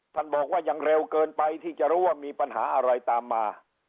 ท่านบอกว่ายังเร็วเกินไปที่จะรู้ว่ามีปัญหาอะไรตามมา